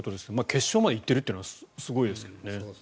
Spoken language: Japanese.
決勝まで行っているというのはすごいですけどね。